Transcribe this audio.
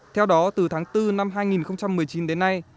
theo đó từ tháng bốn năm hai nghìn một mươi chín đến nay